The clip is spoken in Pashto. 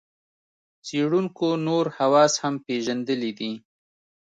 څېړونکو نور حواس هم پېژندلي دي.